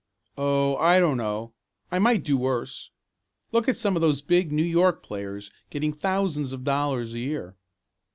"Oh, I don't know. I might do worse. Look at some of those big New York players getting thousands of dollars a year."